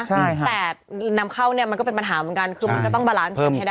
ใช่แต่นำเข้าเนี่ยมันก็เป็นปัญหาเหมือนกันคือมันก็ต้องบาลานซ์ให้ได้